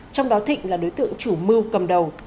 trong đó thịnh là đối tượng chủ mưu cầm đầu